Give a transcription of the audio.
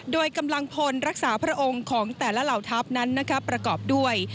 โดยกำลังพลรักษาพระองค์ของแต่ละเหล่าทัพนั้นประกอบด้วย